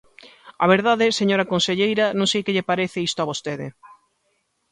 A verdade, señora conselleira, non sei que lle parece isto a vostede.